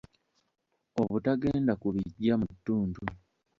Obutagenda ku biggya mu ttuntu.